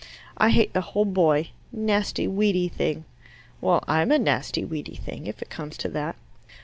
"I hate the whole boy. Nasty weedy thing." "Well, I'm a nasty weedy thing, if it comes to that."